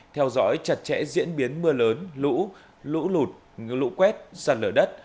theo dõi chặt chẽ diễn biến mưa lớn lũ lũ lụt lũ quét sạt lở đất